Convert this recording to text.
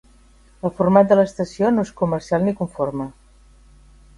El format de l'estació no és comercial ni conforme.